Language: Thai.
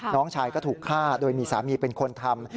น้องชายก็ถูกฆ่าโดยมีสามีเป็นคนทำ